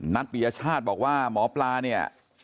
ปียชาติบอกว่าหมอปลาเนี่ย